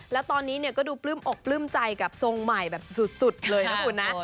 แล้วตอนนี้ก็ดูปลื้มอกปลื้มใจกับทรงใหม่แบบสุดเลยนะคุณนะ